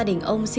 điên xuống xa đi